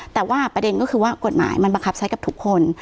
แต่ว่าประเด็นก็คือว่ากฎหมายมันบังคับใช้กับทุกคน